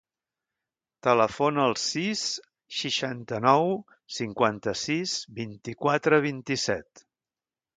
Telefona al sis, seixanta-nou, cinquanta-sis, vint-i-quatre, vint-i-set.